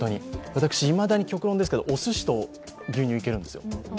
私、いまだに極論ですけどおすしと牛乳、いけるんですよ。